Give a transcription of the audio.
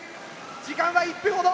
時間は１分ほど。